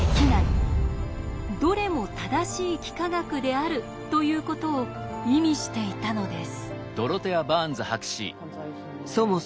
どれも正しい幾何学である」ということを意味していたのです。